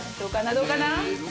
どうかな？